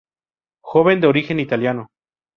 Joven de origen italiano.